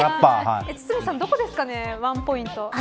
堤さん、どこですかワンポイント。